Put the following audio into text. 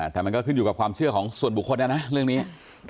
แต่มันก็ขึ้นอยู่กับความเชื่อของส่วนบุคคลนะนะเรื่องนี้